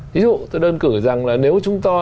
ví dụ tôi đơn cử rằng là nếu chúng ta